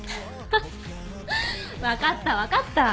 アハっ分かった分かった。